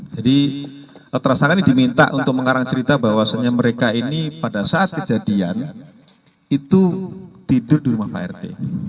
jadi tersangka ini diminta untuk mengarang cerita bahwasanya mereka ini pada saat kejadian itu tidur di rumah pak rt